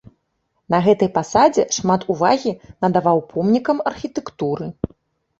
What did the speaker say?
На гэтай пасадзе шмат увагі надаваў помнікам архітэктуры.